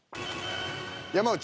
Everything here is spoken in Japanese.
山内。